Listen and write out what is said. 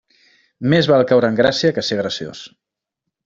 Més val caure en gràcia que ser graciós.